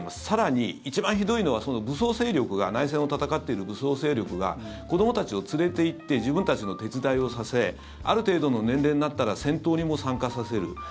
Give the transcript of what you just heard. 更に一番ひどいのは武装勢力が内戦を戦っている武装勢力が子どもたちを連れていって自分たちの手伝いをさせある程度の年齢になったら戦闘にも参加させる。